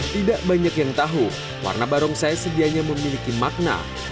tidak banyak yang tahu warna barongsai sedianya memiliki makna